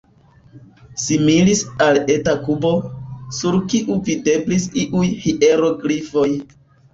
Similis al eta kubo, sur kiu videblis iuj hieroglifoj.